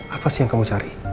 apa sih yang kamu cari